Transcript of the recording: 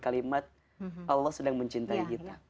kalimat allah sedang mencintai kita